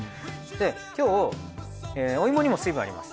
で今日お芋にも水分あります。